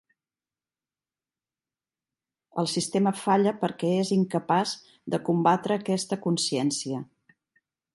El sistema falla perquè és incapaç de combatre aquesta consciència.